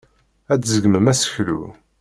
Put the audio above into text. Ad tgezmem aseklu.